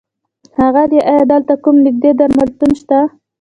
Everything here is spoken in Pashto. ښاغيله! ايا دلته کوم نيږدې درملتون شته؟